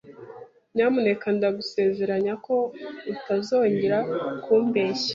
Nyamuneka ndagusezeranya ko utazongera kumbeshya